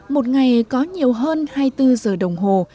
một ngày có nhiều hơn hai mươi bốn giờ đồng hồ